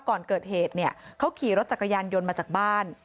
ก่อนเกิดเหตุเนี่ยเขาขี่รถจักรยานยนต์มาจากบ้าน